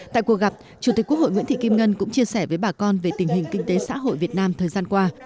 tại cuộc gặp chủ tịch quốc hội nguyễn thị kim ngân cũng chia sẻ với bà con về tình hình kinh tế xã hội việt nam thời gian qua